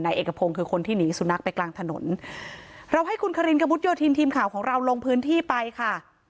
เอกพงศ์คือคนที่หนีสุนัขไปกลางถนนเราให้คุณคารินกระมุดโยธินทีมข่าวของเราลงพื้นที่ไปค่ะ